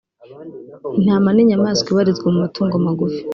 Intama ni inyamaswa ibarizwa mu matungo magufi